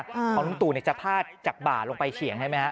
เพราะลุงตู่จะพาดจากบ่าลงไปเฉียงใช่ไหมฮะ